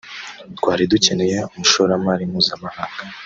twari dukeneye umushoramari mpuzamahanga